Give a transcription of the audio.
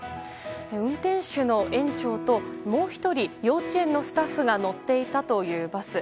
運転手の園長ともう１人、幼稚園のスタッフが乗っていたというバス。